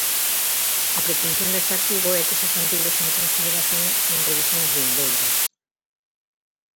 A pretensión deste artigo é que sexan tidos en consideración en revisións vindeiras.